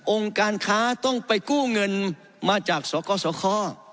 การค้าต้องไปกู้เงินมาจากสกสค